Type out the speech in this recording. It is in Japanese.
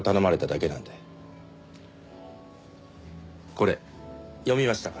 これ読みましたか？